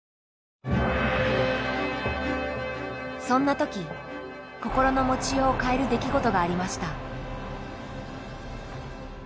そんな時心の持ちようを変える出来事がありました。